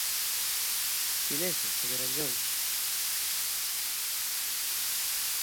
Silencio, señor Anllóns.